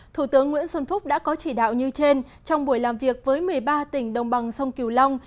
thủ tướng nguyễn xuân phúc đã có chỉ đạo như trên trong buổi làm việc với một mươi ba tỉnh đồng bằng sông kiều long